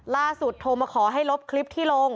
ล่าสุดโทรมาขอให้ลบคลิปที่ลง